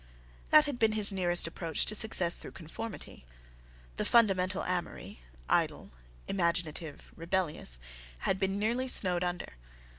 That had been his nearest approach to success through conformity. The fundamental Amory, idle, imaginative, rebellious, had been nearly snowed under.